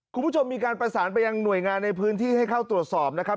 คุณผู้ชมมีการประสานไปยังหน่วยงานในพื้นที่ให้เข้าตรวจสอบนะครับ